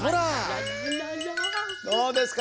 どうですか？